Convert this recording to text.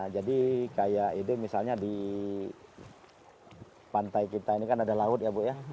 jadi kayak ide misalnya di pantai kita ini kan ada laut ya bu ya